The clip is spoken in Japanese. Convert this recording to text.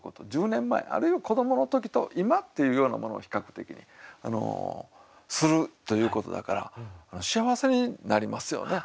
１０年前あるいは子どもの時と今っていうようなものを比較的にするということだから幸せになりますよね。